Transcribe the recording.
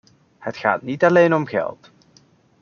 Het gaat niet alleen om geld.